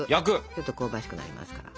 ちょっと香ばしくなりますから。